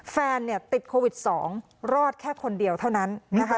แฟนติดโควิด๒รอดแค่คนเดียวเท่านั้น